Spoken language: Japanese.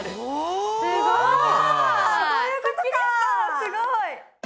すごい！